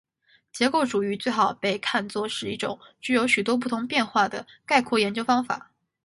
结构主义最好被看作是一种具有许多不同变化的概括研究方法。